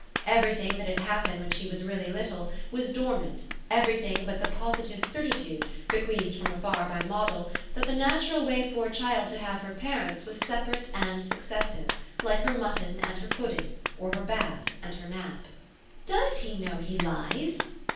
Everything that had happened when she was really little was dormant, everything but the positive certitude, bequeathed from afar by Moddle, that the natural way for a child to have her parents was separate and successive, like her mutton and her pudding or her bath and her nap. "DOES he know he lies?"